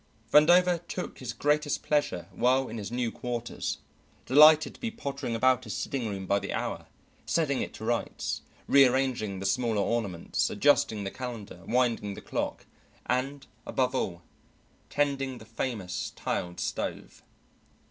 Vandover took his greatest pleasure while in his new quarters, delighted to be pottering about his sitting room by the hour, setting it to rights, rearranging the smaller ornaments, adjusting the calendar, winding the clock and, above all, tending the famous tiled stove.